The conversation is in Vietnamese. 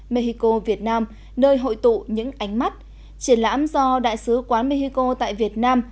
mexico việt nam nơi hội tụ những ánh mắt triển lãm do đại sứ quán mexico tại việt nam